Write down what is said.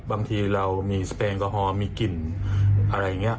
บางทีเรามีสเปลกอฮอลมีกลิ่นอะไรอย่างนี้